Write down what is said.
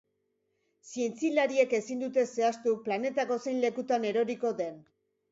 Zientzialariek ezin dute zehaztu planetako zein lekutan eroriko den.